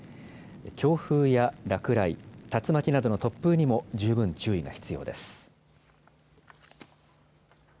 強風や落雷、竜巻などの突風にも十分注意が必要です。